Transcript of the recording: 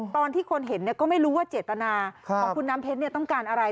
ตอนที่คนเห็นก็ไม่รู้ว่าเจตนาของคุณน้ำเพชรต้องการอะไร